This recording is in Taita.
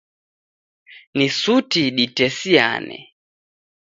Ni suti ditesiane.